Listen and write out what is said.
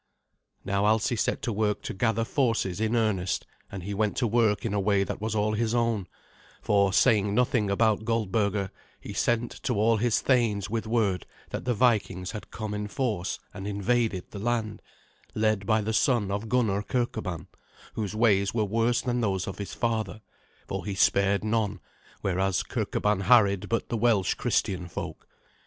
Now Alsi set to work to gather forces in earnest, and he went to work in a way that was all his own: for, saying nothing about Goldberga, he sent to all his thanes with word that the Vikings had come in force and invaded the land, led by the son of Gunnar Kirkeban, whose ways were worse than those of his father, for he spared none, whereas Kirkeban harried but the Welsh Christian folk.